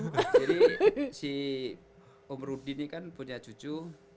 jadi si om rudi ini kan punya cucu